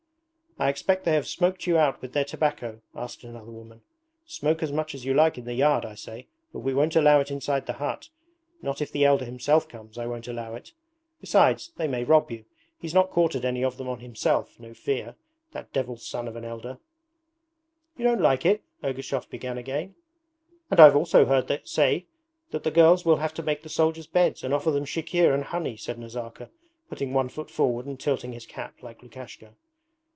'I expect they have smoked you out with their tobacco?' asked another woman. 'Smoke as much as you like in the yard, I say, but we won't allow it inside the hut. Not if the Elder himself comes, I won't allow it. Besides, they may rob you. He's not quartered any of them on himself, no fear, that devil's son of an Elder.' 'You don't like it?' Ergushov began again. 'And I've also heard say that the girls will have to make the soldiers' beds and offer them chikhir and honey,' said Nazarka, putting one foot forward and tilting his cap like Lukashka.